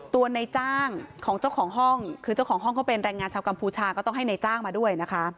ในจ้างของเจ้าของห้องคือเจ้าของห้องเขาเป็นแรงงานชาวกัมพูชาก็ต้องให้ในจ้างมาด้วยนะคะ